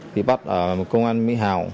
bắt ở công an mỹ hào